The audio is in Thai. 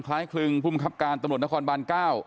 ขคมคริงภูมิคับการตนครบาล๙